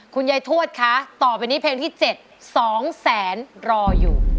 คุณยายทวดคะต่อไปนี้เพลงที่๗๒แสนรออยู่